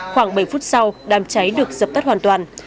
khoảng bảy phút sau đám cháy được dập tắt hoàn toàn